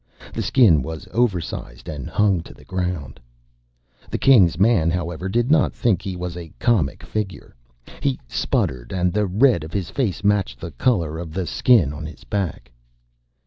The Skin was oversized and hung to the ground. The King's man, however, did not think he was a comic figure. He sputtered, and the red of his face matched the color of the skin on his back.